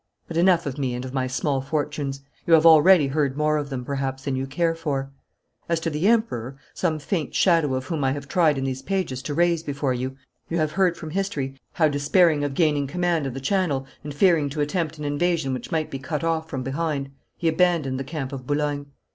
But enough of me and of my small fortunes. You have already heard more of them, perhaps, than you care for. As to the Emperor, some faint shadow of whom I have tried in these pages to raise before you, you have heard from history how, despairing of gaining command of the Channel, and fearing to attempt an invasion which might be cut off from behind, he abandoned the camp of Boulogne.